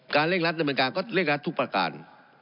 เร่งรัดดำเนินการก็เร่งรัดทุกประการ